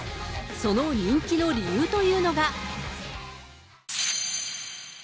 その人気の理由というのが。